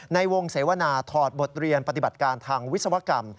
ในวงเสวนาถอดบทเรียนปฏิบัติการทางวิศวกรรม